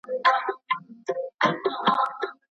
شاعران بې درناوي نه دي.